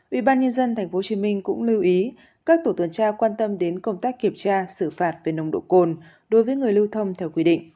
ủy ban nhân dân tp hcm cũng lưu ý các tổ tuần tra quan tâm đến công tác kiểm tra xử phạt về nông độ cồn đối với người lưu thông theo quy định